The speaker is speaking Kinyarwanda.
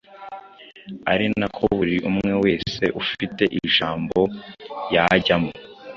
ari nako buri umwe wese ufite ijambo yajyamo